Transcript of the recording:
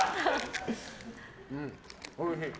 うん、おいしい。